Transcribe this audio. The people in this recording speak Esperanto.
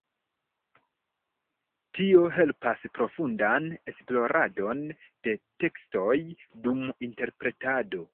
Tio helpas profundan esploradon de tekstoj dum interpretado.